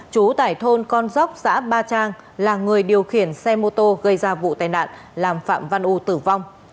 chú tại thôn con dốc xã ba trang là người điều khiển xe mô tô gây ra vụ tai nạn làm phạm văn u tử vong